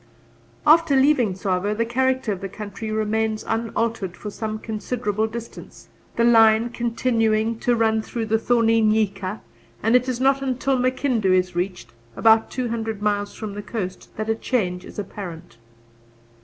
After leaving Tsavo, the character of the country remains unaltered for some considerable distance, the line continuing to run through the thorny nyika, and it is not until Makindu is reached about two hundred miles from the coast that a change is apparent.